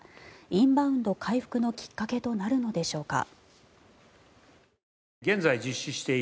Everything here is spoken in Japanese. インバウンド回復のきっかけとなるのでしょうか。